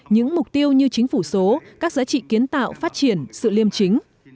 những mục tiêu như chính phủ số các giá trị kiến tạo phát triển sự liêm chính